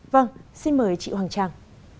vâng xin mời chị hoàng trang